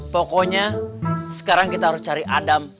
pokoknya sekarang kita harus cari adam